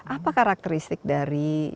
apa karakteristik dari